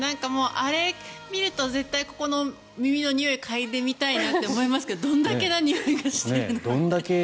あれを見ると絶対にここの耳のにおいを嗅いでみたいなと思いますけどどんだけのにおいがしてるのか。